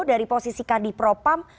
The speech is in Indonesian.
dari posisi kadi propam